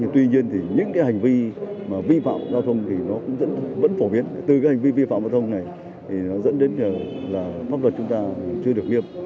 tuy nhiên thì những cái hành vi mà vi phạm giao thông thì nó cũng vẫn phổ biến từ cái hành vi vi phạm giao thông này thì nó dẫn đến là pháp luật chúng ta chưa được nghiêm